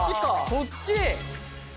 そっち？